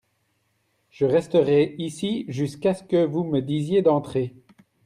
Je resterai ici jusquà ce que vous me disiez d'entrer.